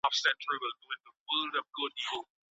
بد عادتونه په تدریج سره بدلیږي.